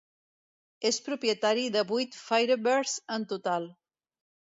És propietari de vuit Firebirds en total.